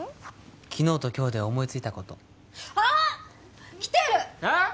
昨日と今日で思いついたことあっきてる！えっ？＃